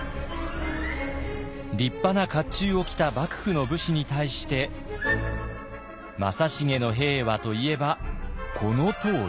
立派な甲冑を着た幕府の武士に対して正成の兵はといえばこのとおり。